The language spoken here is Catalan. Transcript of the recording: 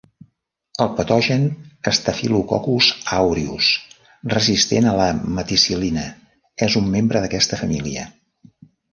El patogen Staphylococcus aureus resistent a la meticil·lina és un membre d'aquesta família.